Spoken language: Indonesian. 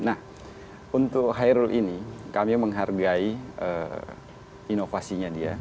nah untuk hairul ini kami menghargai inovasinya dia